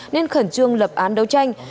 nên khẩn trương lập án đấu tranh